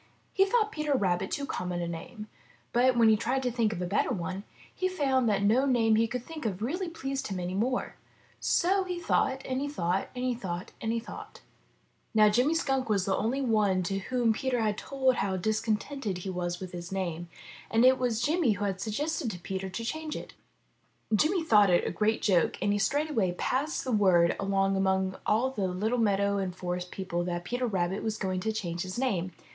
He thought Peter Rabbit too common a name. But when he tried to think of a better one, he found that no name that he could think of really pleased him any more. So he thought, and he thought, and he thought, and he thought. 378 IN THE NURSERY Now Jimmy Skunk was the only one to whom Peter had told how discontented he was with his name, and it was Jimmy who had suggested to Peter that he change it. Jimmy thought it a great joke, and he straightway passed the word along among all the little meadow and forest people that Peter Rabbit was going to change his name.